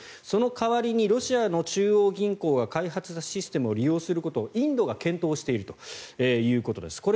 その代わりにロシアの中央銀行が開発したシステムを利用することをインドが検討しているということです。